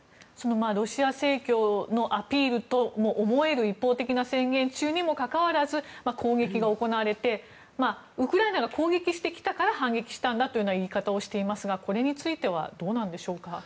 ロシア正教のアピールとも思える一方的な宣言中にもかかわらず攻撃が行われてウクライナが攻撃したから反撃したんだという言い方をしていますがこれについてはどうなんでしょうか？